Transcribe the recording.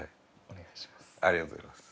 お願いします。